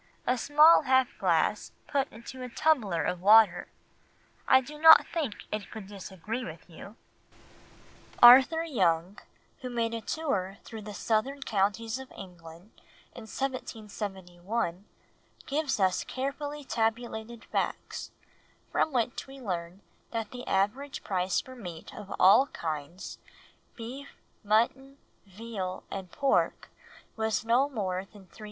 A small half glass put into a tumbler of water? I do not think it could disagree with you.'" Arthur Young, who made a tour through the southern counties of England in 1771, gives us carefully tabulated facts, from which we learn that the average price for meat of all kinds, beef, mutton, veal, and pork, was no more than 3½d.